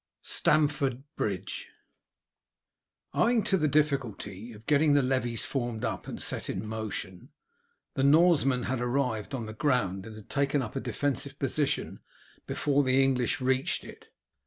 STAMFORD BRIDGE. Owing to the difficulty of getting the levies formed up and set in motion, the Norsemen had arrived on the ground and had taken up a defensive position before the English reached it.